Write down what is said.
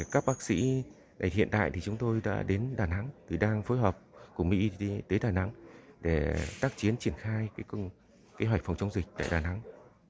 các bác sĩ hiện tại chúng tôi đã đến đà nẵng đang phối hợp cùng nghị y tế đà nẵng để tác chiến triển khai kế hoạch phòng chống dịch tại đà nẵng